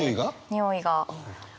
においが。